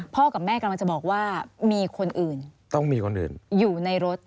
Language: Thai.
พ่อกับแม่กำลังจะบอกว่ามีคนอื่นอยู่ในรถ